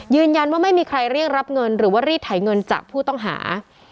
ไม่มีใครเรียกรับเงินหรือว่ารีดไถเงินจากผู้ต้องหา